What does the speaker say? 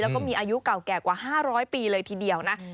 แล้วก็มีอายุเก่าแก่กว่า๕๐๐ปีเลยทีเดียวนะ